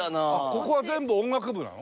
ここは全部音楽部なの？